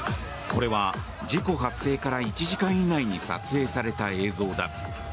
これは事故発生から１時間以内に撮影された映像だ。